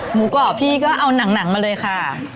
หมูกรอบพี่ก็เอาหนังมาเลยค่ะ